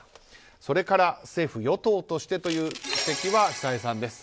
それから、政府・与党としてという指摘は久江さんです。